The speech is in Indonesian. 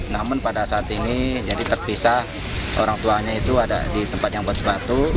namun pada saat ini jadi terpisah orang tuanya itu ada di tempat yang buat sepatu